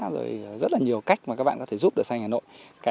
rồi rất là nhiều cách mà các bạn có thể giúp được xanh hà nội